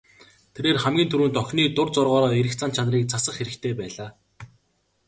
Тэрээр хамгийн түрүүнд охины дур зоргоороо эрх зан чанарыг засах хэрэгтэй байлаа.